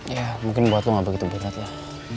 ya mungkin buat lu gak begitu berat lah